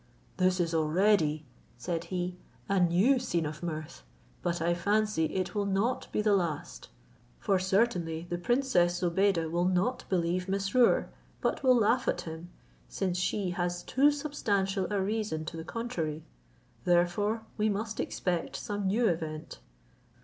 "This is already," said he, "a new scene of mirth, but I fancy it will not be the last; for certainly the princess Zobeide will not believe Mesrour, but will laugh at him, since she has too substantial a reason to the contrary; therefore we must expect some new event."